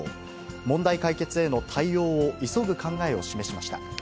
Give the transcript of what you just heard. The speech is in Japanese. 問題解決への対応を急ぐ考えを示しました。